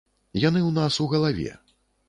Яны ў нас у галаве.